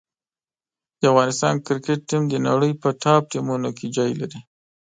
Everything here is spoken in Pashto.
د افغانستان کرکټ ټیم د نړۍ په ټاپ ټیمونو کې ځای لري.